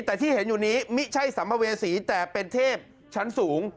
แต่ที่เห็นอยู่นี้ไม่ใช่สัมภเวษีแต่เป็นเทพชั้นสูง